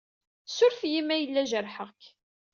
Suref-iyi ma yella jerḥeƔ-k.